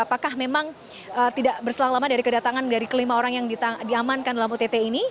apakah memang tidak berselang lama dari kedatangan dari kelima orang yang diamankan dalam ott ini